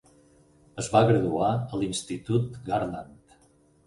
Es va graduar a l'Institut Garland.